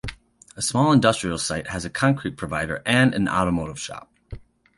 A small industrial site has a concrete provider and an automotive shop.